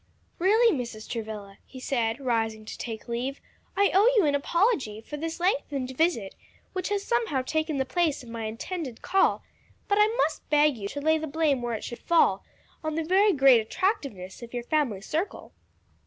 "Really, Mrs. Travilla," he said, rising to take leave, "I owe you an apology for this lengthened visit, which has somehow taken the place of my intended call; but I must beg you to lay the blame where it should fall, on the very great attractiveness of your family circle."